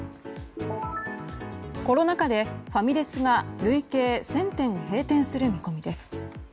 コロナ禍でファミレスが累計１０００店閉店する見込みです。